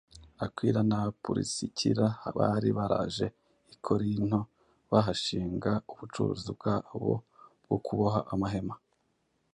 Akwila na Purisikila bari baraje i Korinto bahashinga ubucuruzi bwabo bwo kuboha amahema.